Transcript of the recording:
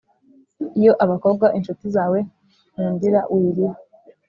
iya abakobwa inshuti zawe, nkundira wirira